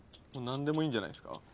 何でもいいんじゃないですか。